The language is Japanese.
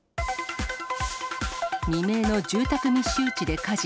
未明の住宅密集地で火事。